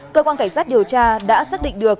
cơ quan cảnh sát điều tra đã xác định được